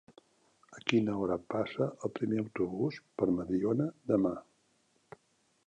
A quina hora passa el primer autobús per Mediona demà?